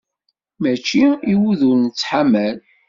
Mačči i wid ur nettḥamal.